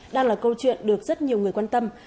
đang là câu chuyện được rất nhiều người quan tâm